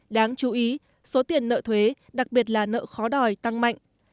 đáng chú ý số tiền nợ thuế đặc biệt là nợ khó đòi tăng mạnh